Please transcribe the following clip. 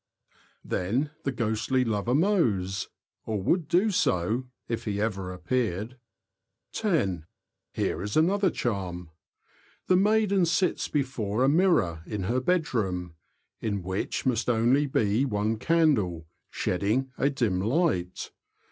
Then the ghostly lover mows — or would do so if he ever appeared. (10.) Here is another charm: The maiden sits before a mirror in her bedroom, in which must only be one CHARACTERISTICS AND DIALECT. 247 candle, shedding a dim ligtit.